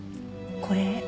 これ。